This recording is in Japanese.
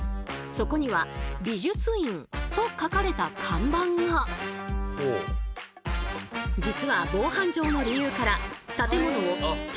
そこには「美術院」と書かれた看板が。実は防犯上の理由から何！？